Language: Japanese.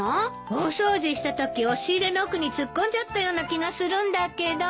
大掃除したとき押し入れの奥に突っ込んじゃったような気がするんだけど。